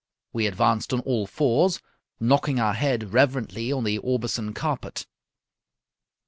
We advanced on all fours, knocking our head reverently on the Aubusson carpet.